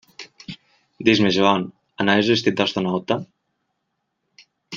Dis-me, Joan, anaves vestit d'astronauta?